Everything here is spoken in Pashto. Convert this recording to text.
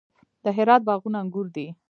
د هرات باغونه انګور دي